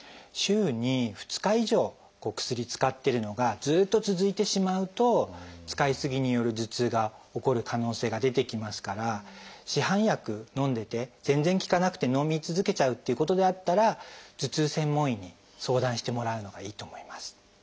週に２日以上薬使ってるのがずっと続いてしまうと使い過ぎによる頭痛が起こる可能性が出てきますから市販薬のんでて全然効かなくてのみ続けちゃうっていうことであったら頭痛専門医に相談してもらうのがいいと思います。